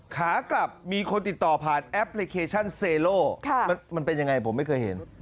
ขากลับมีคนติดต่อผ่านแอปพลิเคชันเซโลมันเป็นยังไงผมไม่เคยเห็น